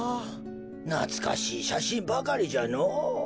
なつかしいしゃしんばかりじゃのう。